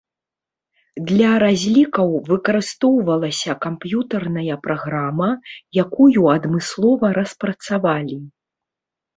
Для разлікаў выкарыстоўвалася камп'ютарная праграма, якую адмыслова распрацавалі.